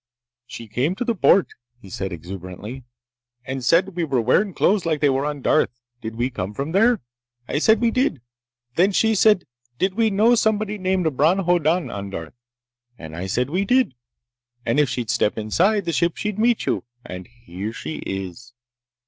"She came to the port," he said exuberantly, "and said we were wearin' clothes like they wore on Darth. Did we come from there? I said we did. Then she said did we know somebody named Bron Hoddan on Darth? And I said we did and if she'd step inside the ship she'd meet you. And here she is!"